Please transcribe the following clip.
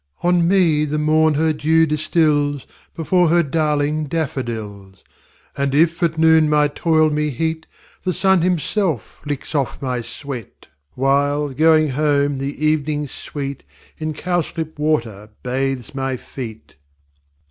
On me the Morn her dew distills Before her darling Daffadils. And, if at Noon my toil me heat, The Sun himself licks off my Sweat. While, going home, the Ev'ning sweet In cowslip water bathes my feet.